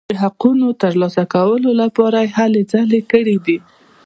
د حقونو ترلاسه کولو لپاره یې هلې ځلې کړي دي.